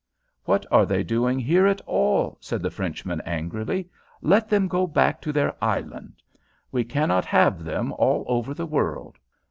"What are they doing here at all?" cried the Frenchman, angrily. "Let them go back to their island. We cannot have them all over the world."